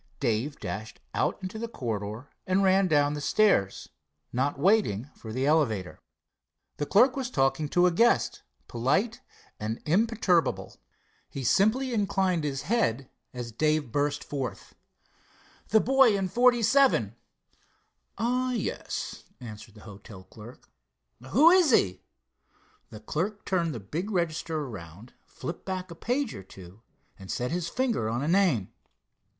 Dave dashed out into the corridor and ran down the stairs, not waiting for the elevator. The clerk was talking to a guest, polite and imperturbable. He simply inclined his head as Dave burst forth: "The boy in 47." "Ah, yes!" answered the hotel clerk. "Who is he?" The clerk turned the big register around, flipped back a page or two, and set his finger on a name.